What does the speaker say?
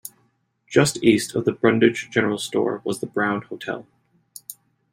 Just east of the Brundage General Store was the Brown Hotel.